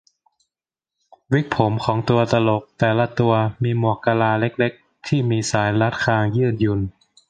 วิกผมของตัวตลกแต่ละตัวมีหมวกกะลาเล็ก ๆ ที่มีสายรัดคางยืดหยุ่น